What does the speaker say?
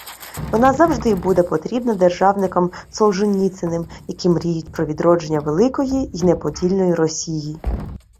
Вона завжди буде потрібна державникам-солженіциним, які мріють про відродження «великої й неподільної Росії»